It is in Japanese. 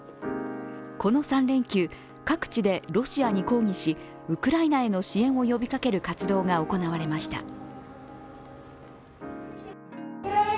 この３連休、各地でロシアに抗議しウクライナへの支援を呼びかける活動が行われました。